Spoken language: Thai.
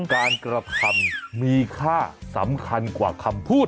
การกระทำมีค่าสำคัญกว่าคำพูด